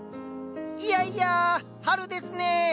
いやいや春ですね。